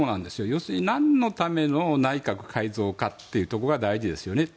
要するになんのための内閣改造っていうところが大事ですよね。